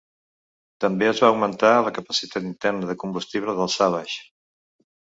També es va augmentar la capacitat interna de combustible del Savage.